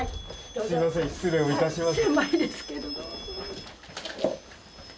すいません失礼をいたします。